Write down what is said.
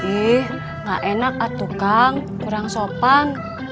ih gak enak atuh kang kurang sopan